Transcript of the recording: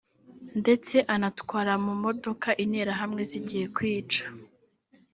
ndetse anatwara mu modoka Interahamwe zigiye kwica